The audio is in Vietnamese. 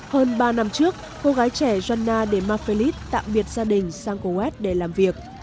hơn ba năm trước cô gái trẻ jonna demafelis tạm biệt gia đình sang kuwait để làm việc